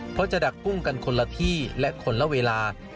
เพราะจะดักกุ้งกันคนละที่และคนละเวลา